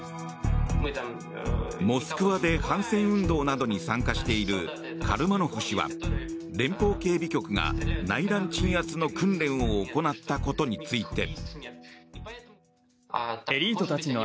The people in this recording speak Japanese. モスクワで反戦運動などに参加しているカルマノフ氏は連邦警備局が内乱鎮圧の訓練を行ったことについて。